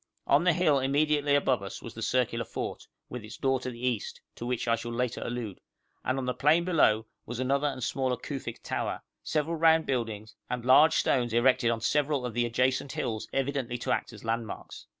On the hill immediately above us was the circular fort, with its door to the east, to which I shall later allude, and on the plain below was another and smaller Kufic tower, several round buildings, and large stones erected on several of the adjacent hills evidently to act as landmarks.